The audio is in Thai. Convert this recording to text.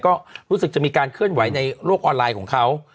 ก็รู้สึกจะมีการเคลื่อนไหวในโลกออนไลน์ของเขา